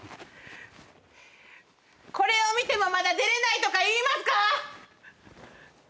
これを見てもまだ出れないとか言いますか？